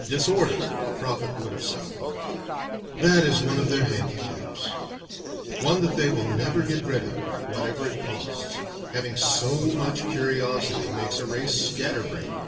"Disorder," a prophet would have sighed: "that is one of their handicaps; one that they will never get rid of, whatever it costs. Having so much curiosity makes a race scatter brained.